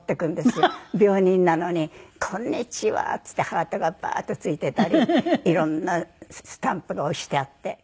病人なのに「こんにちは」っつってハートがバーッとついてたりいろんなスタンプが押してあって。